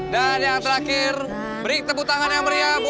dan yang terakhir beri tepuk tangan yang meriah jawa timur